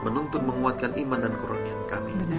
menuntun menguatkan iman dan kurnian kami